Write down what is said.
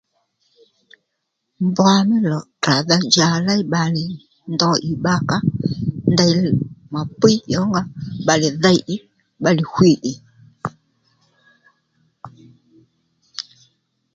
Mbwa mí lò tdràdha-dja léy bbalè ndo ì bbakǎ ndeyli mà píy ì ónga bbalè dhey ì bbalè hwi ì